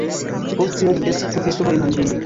Poste li estis profesoro en Anglio.